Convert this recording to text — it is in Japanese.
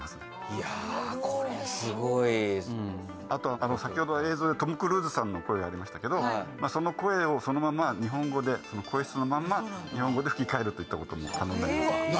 いやこれすごいあと先ほど映像でトム・クルーズさんの声ありましたけどその声をそのまま日本語で声質のまんま日本語で吹き替えるといったことも可能になりますへえ